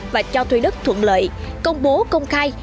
và cho thuê đất thuận lợi công bố công khai